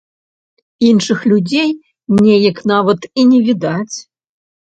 Іншых людзей неяк нават і не відаць.